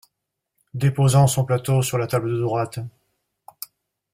Déposant son plateau sur la table de droite.